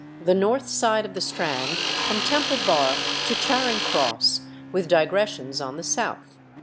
THE NORTH SIDE OF THE STRAND, FROM TEMPLE BAR TO CHARING CROSS, WITH DIGRESSIONS ON THE SOUTH.